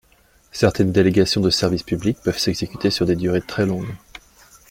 Certaines délégations de service public peuvent s’exécuter sur des durées très longues.